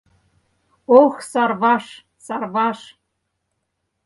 Ох, Сарваш, Сарваш!